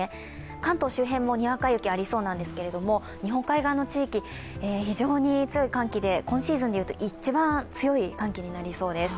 関東周辺もにわか雪ありそうなんですけれども日本海側の地域、非常に強い寒気で今シーズンで言うと一番強い寒気になりそうです。